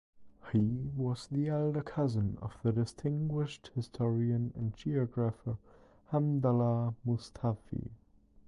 He was the elder cousin of the distinguished historian and geographer Hamdallah Mustawfi.